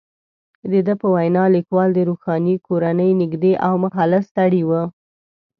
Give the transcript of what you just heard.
د ده په وینا، لیکوال د روښاني کورنۍ نږدې او مخلص سړی وو.